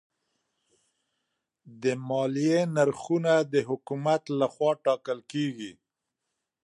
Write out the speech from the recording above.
د مالیې نرخونه د حکومت لخوا ټاکل کېږي.